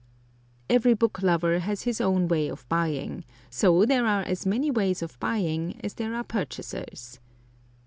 Every book lover has his own way of buying; so there are as many ways of buying as there are purchasers.